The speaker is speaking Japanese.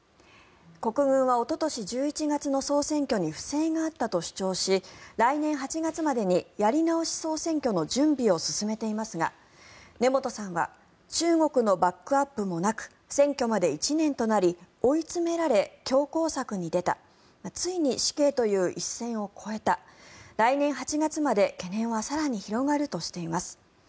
国軍はおととし１１月の総選挙に不正があったと主張し来年８月までにやり直し総選挙の準備を進めていますが根本さんは中国のバックアップもなく選挙まで１年となり追い詰められ、強硬策に出たついに死刑という一線を越えた来年８月まで懸念は更に広がるとしています。